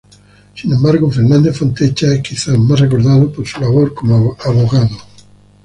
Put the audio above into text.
Sin embargo, Fernández-Fontecha es quizás más recordado por su labor como abogado.